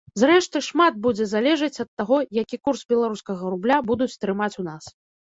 Зрэшты, шмат будзе залежыць ад таго, які курс беларускага рубля будуць трымаць у нас.